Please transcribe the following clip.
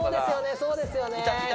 そうですよね